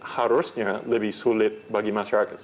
harusnya lebih sulit bagi masyarakat